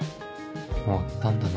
終わったんだな